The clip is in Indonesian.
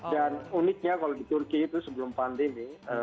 dan uniknya kalau di turki itu sebelum pandemi